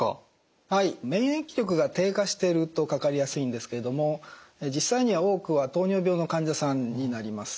免疫力が低下しているとかかりやすいんですけれども実際には多くは糖尿病の患者さんになります。